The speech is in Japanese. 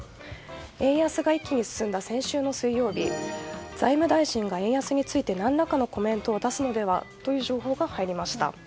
円安が一気に進んだ先週の水曜日財務大臣が円安について何らかのコメントを出すのではという情報が入りました。